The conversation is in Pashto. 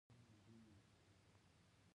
د سهار لمونځ په جماعت کول لوی اجر لري